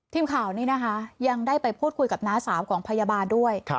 ทีมข่าวนี้นะคะยังได้ไปพูดคุยกับน้าสาวของพยาบาลด้วย